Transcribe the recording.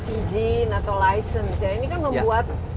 izin atau license ya ini kan membuat